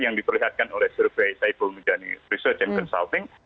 yang diperlihatkan oleh survei saiful mujani research and consulting